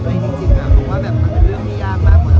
พูดไม่แสดงคุณชัดใจกับเราไม่เป็นไร